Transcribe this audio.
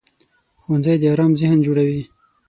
ښوونځی د ارام ذهن جوړوي